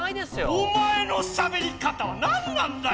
おまえのしゃべり方は何なんだよ！